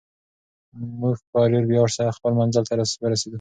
موږ په ډېر ویاړ سره خپل منزل ته ورسېدو.